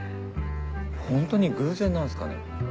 ホントに偶然なんすかね？